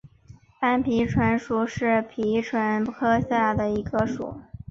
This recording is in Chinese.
斑皮蠹属是皮蠹科下的一个属。